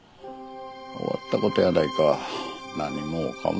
終わった事やないか何もかも。